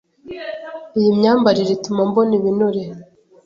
Iyi myambarire ituma mbona ibinure?